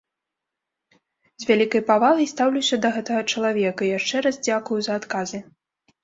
З вялікай павагай стаўлюся да гэтага чалавека і яшчэ раз дзякую за адказы.